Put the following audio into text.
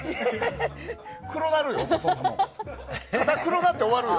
黒なるよ？